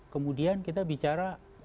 kemudian kita bicara